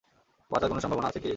বাঁচার কোন সম্ভাবনা, আছে কী?